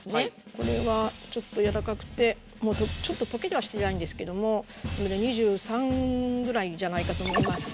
これはちょっとやわらかくてちょっととけはしてないんですけどもこれ２３ぐらいじゃないかと思います。